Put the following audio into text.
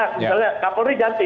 misalnya kak polri ganti